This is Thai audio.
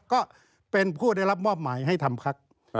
ก็เป็นผู้ได้รับมอบหมายให้ทำพัก